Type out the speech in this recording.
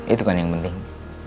itu kan yang penting